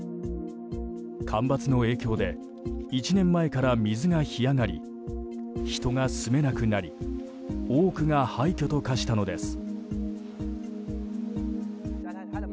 干ばつの影響で１年前から水が干上がり人が住めなくなり多くが廃墟と化したのです。